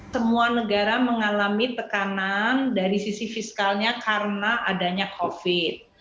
semua negara mengalami tekanan dari sisi fiskalnya karena adanya covid